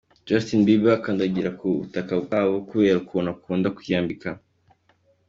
ko Justin Bieber akandagira ku butaka bwabo kubera ukuntu akunda kwiyambika.